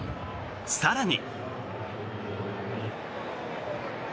更に。